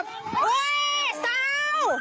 ยืนมา